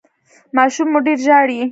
ماشوم مو ډیر ژاړي؟